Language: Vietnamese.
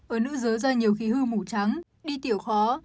ở nữ giới do nhiều khi hư mũ trắng đi tiểu khó